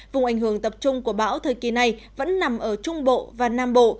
vùng ảnh hưởng tập trung của bão thời kỳ này vẫn nằm ở trung bộ và nam bộ